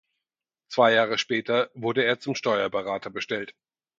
Zwei Jahre später wurde er zum Steuerberater bestellt.